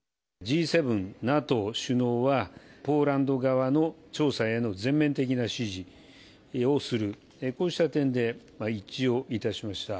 Ｇ７、ＮＡＴＯ首脳は、ポーランド側の調査への全面的な支持をする、こうした点で一致をいたしました。